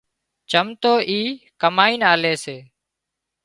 چم تواِي ڪمائينَ آلي سي